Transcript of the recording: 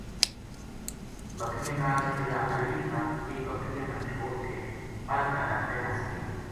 بکریاں نال جہڑا اجڑی تھا ویہ بکریاں نا چھوڈ کے پل کا ڈر تے نس گیا۔